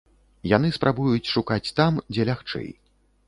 Яны спрабуюць шукаць там, дзе лягчэй.